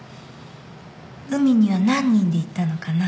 海には何人で行ったのかな？